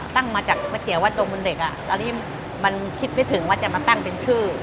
ตั้งมาจากก๋วยเตี๋ยววัดดงบนเด็กอ่ะตอนนี้มันคิดไม่ถึงว่าจะมาตั้งเป็นชื่อ